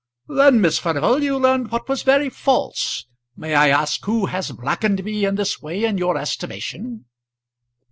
"Then, Miss Furnival, you learned what was very false. May I ask who has blackened me in this way in your estimation?"